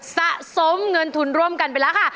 สะสมเงินทุนร่วมกันไปแล้วค่ะ